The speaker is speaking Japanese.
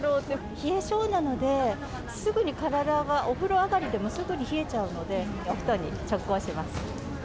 冷え性なので、すぐに体が、お風呂上がりでもすぐに冷えちゃうので、お布団に直行します。